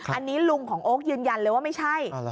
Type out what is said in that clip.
อันนี้ลุงของโอ๊คยืนยันเลยว่าไม่ใช่